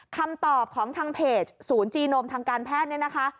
คำตอบของทางเพจศูนย์จีโนมทางการแพทย์เนี่ยนะคะ